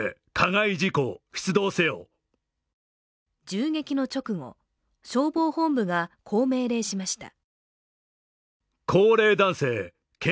銃撃の直後、消防本部が、こう命令しました。